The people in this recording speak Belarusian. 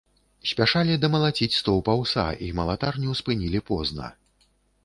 Спяшалі дамалаціць стоўп аўса, і малатарню спынілі позна.